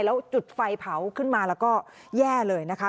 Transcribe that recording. แล้วจุดไฟเผาขึ้นมาแล้วก็แย่เลยนะคะ